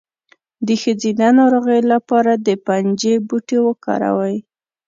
د ښځینه ناروغیو لپاره د پنجې بوټی وکاروئ